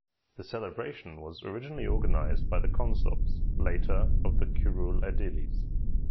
The celebration was originally organized by the consuls, later of the curule aediles.